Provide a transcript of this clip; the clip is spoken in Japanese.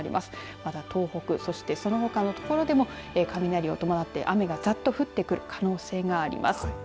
また東北、そしてそのほかの所でも雷を伴って雨がざっと降る可能性があります。